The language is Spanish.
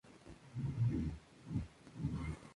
Sacerdotes conocidos como Gaywal-pandas dirigen el ritual.